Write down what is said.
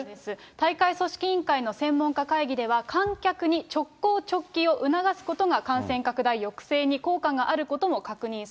大会組織委員会の専門家会議では、観客に直行直帰を促すことが感染拡大抑制に効果があることも確認